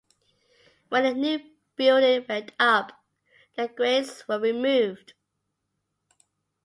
When a new building went up, the grates were removed.